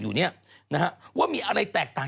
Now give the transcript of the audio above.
จากธนาคารกรุงเทพฯ